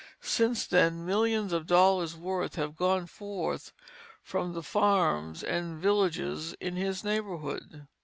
Since then millions of dollars' worth have gone forth from the farms and villages in his neighborhood.